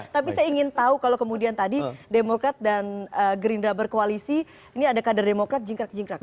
tapi saya ingin tahu kalau kemudian tadi demokrat dan gerindra berkoalisi ini ada kader demokrat jingkrak jingkrak